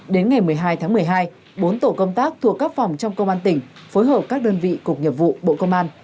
đến ngày một mươi hai tháng một mươi hai bốn tổ công tác thuộc các phòng trong công an tỉnh phối hợp các đơn vị cục nghiệp vụ bộ công an